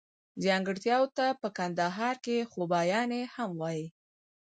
ځانګړتياوو ته په کندهار کښي خوباياني هم وايي.